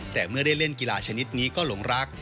แต่เมื่อได้เล่นกีฬาชนิดนี้ก็หลงรัก